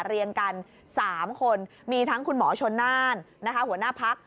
เรียงกัน๓คนมีทั้งคุณหมอชนน่านหัวหน้าพัก